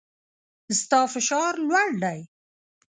ستا فشار لوړ دی